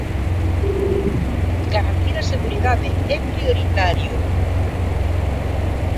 Garantir a seguridade é prioritario.